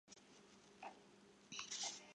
该线废除前废除的路线则以该时为准。